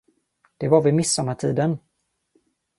Det var vid midsommartiden.